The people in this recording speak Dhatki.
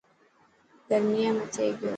گرميان ۾........ٿي تو.